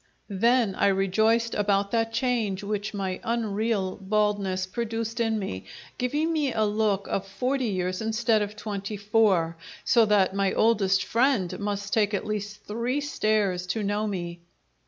Then I rejoiced about that change which my unreal baldness produced in me, giving me a look of forty years instead of twenty four, so that my oldest friend must take at least three stares to know me.